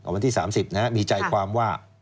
วันที่๓๐มีใจความว่า